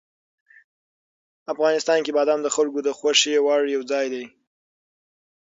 افغانستان کې بادام د خلکو د خوښې وړ یو ځای دی.